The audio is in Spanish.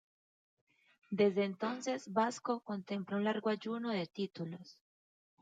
Desde entonces Vasco contempla un largo ayuno de títulos.